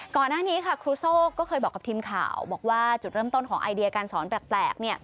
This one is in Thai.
ก่อนหน้านี้ค่ะครูโซ่ก็เคยบอกกับทีมข่าวบอกว่าจุดเริ่มต้นของไอเดียการสอนแปลก